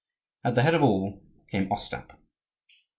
At the head of all came Ostap.